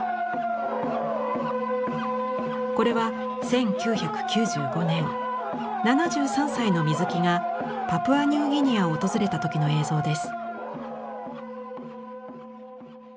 これは１９９５年７３歳の水木がパプアニューギニアを訪れた時の映像です。